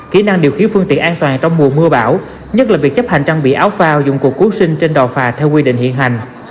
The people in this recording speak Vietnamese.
kỹ năng điều khiển phương tiện an toàn trong mùa mưa bão nhất là việc chấp hành trang bị áo phao dụng cụ cuối sinh trên đò phà theo quy định hiện hành